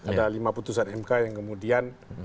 ada lima putusan mk yang kemudian